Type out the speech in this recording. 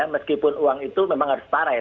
meskipun uang itu memang harus parah ya